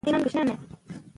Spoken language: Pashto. د یو بل عیب مه ښکاره کوئ.